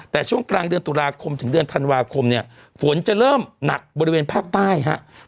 แต่ช่วงกลางเดือนตุลาคมถึงเดือนธันวาคมเนี่ยฝนจะเริ่มหนักบริเวณภาคใต้ครับ